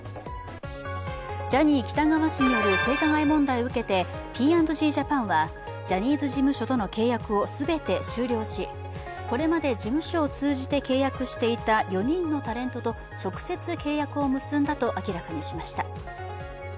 ジャニー喜多川氏による性加害問題を受けてＰ＆Ｇジャパンはジャニーズ事務所との契約を全て終了し、これまで事務所を通じて契約していた４人のタレントと直接契約を結んだと明らかにしました。